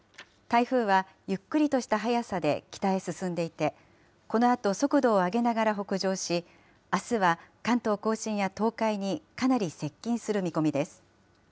台風はゆっくりとした速さで北へ進んでいて、このあと速度を上げながら北上し、あすは関東甲信や東海にかなり接近する見込みです。